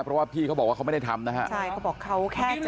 เพราะว่าพี่เค้าบอกว่าเค้าไม่ได้ทำท่าความชายเค้าบอกเขาแค่จะ